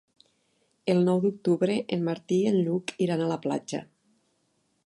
El nou d'octubre en Martí i en Lluc iran a la platja.